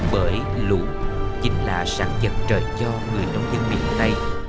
bởi lũ chính là sản dật trợ cho người nông dân miền tây